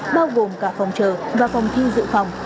bao gồm cả phòng chờ và phòng thi dự phòng